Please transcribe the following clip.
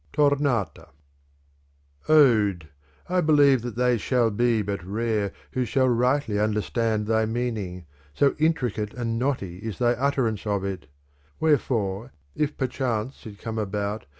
,a:.A. // Jj lij iiioo;!:; ; Tomata ■.:,\ii Ode t'tlxlieve that they shall be but rare whoishall rightly understand thy meaning, so intricate and knotty is thy utterance of it: Wherefore if perchance it come about